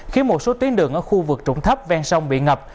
khiến một số tuyến đường ở khu vực trụng thấp ven sông bị ngập